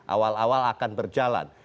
awal awal akan berjalan